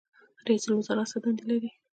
رئیس الوزرا څه دندې لري؟